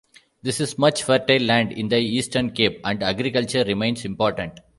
There is much fertile land in the Eastern Cape, and agriculture remains important.